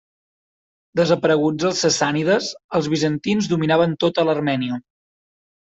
Desapareguts els sassànides, els bizantins dominaven tota l'Armènia.